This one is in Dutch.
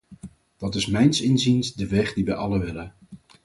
Dat is mijns inziens de weg die wij allen willen.